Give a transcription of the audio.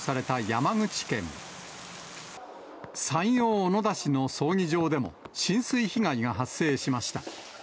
山陽小野田市の葬儀場でも浸水被害が発生しました。